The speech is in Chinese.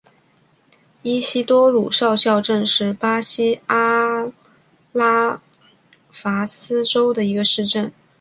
伊西多鲁少校镇是巴西阿拉戈斯州的一个市镇。